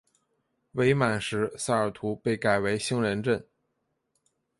伪满时萨尔图被改为兴仁镇。